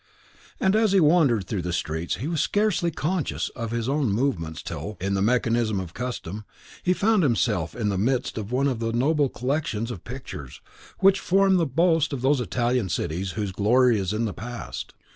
And as he wandered through the streets, he was scarcely conscious of his own movements till, in the mechanism of custom, he found himself in the midst of one of the noble collections of pictures which form the boast of those Italian cities whose glory is in the past.